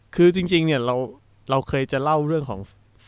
คือจริงเนี่ยเราเคยจะเล่าเรื่องของ